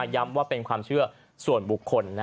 ย้ำว่าเป็นความเชื่อส่วนบุคคล